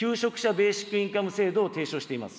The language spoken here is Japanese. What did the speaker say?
ベーシック・インカム制度を提唱しています。